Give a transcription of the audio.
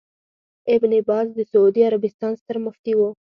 ابن باز د سعودي عربستان ستر مفتي وو